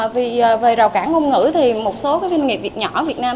về rào cản ngôn ngữ thì một số doanh nghiệp nhỏ việt nam